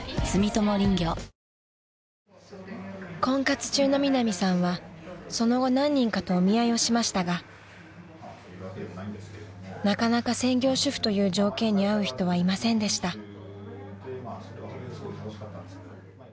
［婚活中のミナミさんはその後何人かとお見合いをしましたがなかなか専業主婦という条件に合う人はいませんでした］